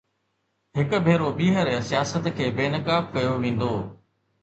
هڪ ڀيرو ٻيهر سياست کي بي نقاب ڪيو ويندو؟